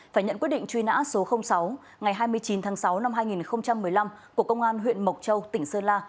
phải nhận quyết định truy nã số sáu ngày hai mươi chín tháng sáu năm hai nghìn một mươi năm của công an huyện mộc châu tỉnh sơn la